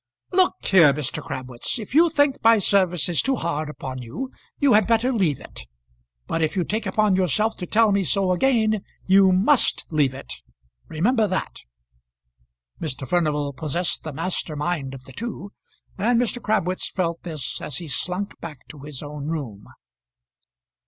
"Look here, Mr. Crabwitz; if you think my service is too hard upon you, you had better leave it. But if you take upon yourself to tell me so again, you must leave it. Remember that." Mr. Furnival possessed the master mind of the two; and Mr. Crabwitz felt this as he slunk back to his own room.